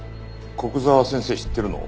古久沢先生知ってるの？